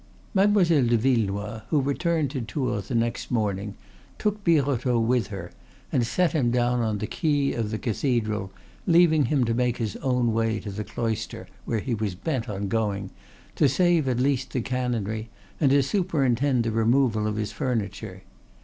Mademoiselle de Villenoix, who returned to Tours the next morning, took Birotteau with her and set him down on the quay of the cathedral leaving him to make his own way to the Cloister, where he was bent on going, to save at least the canonry and to superintend the removal of his furniture.